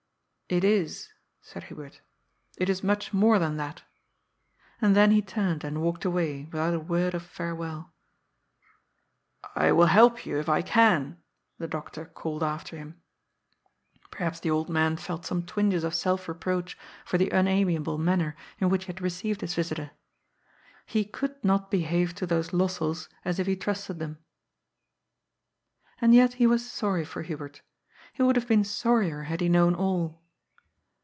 " It is," said Hubert. " It is much more than that." And then he turned and walked away without a word of farewell. " I will help you, if I can," the doctor called after him. Perhaps the old man felt some twinges of self reproach for the unamiable manner in which he had received his visitor. He could not behave to those Lossells as if he trusted them. And yet he was sorry for Hubert. He would have been soiTier had he known all.